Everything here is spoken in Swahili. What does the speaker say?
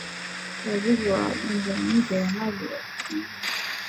Waziri wa Mambo ya Nje wa Mali Abdoulaye Diop alisema anga yake imeingiliwa zaidi ya mara hamsini